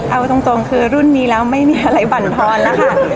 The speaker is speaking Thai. เอาตรงคือรุ่นนี้แล้วไม่มีอะไรบั่นทอนนะคะ